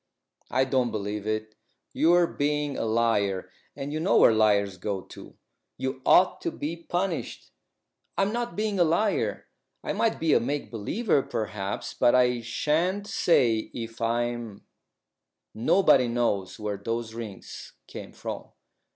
"I don't believe it. You're being a liar, and you know where liars go to. You ought to be punished." "I'm not being a liar. I might be a make believer, perhaps, but I shan't say if I am. Nobody knows where those rings came from.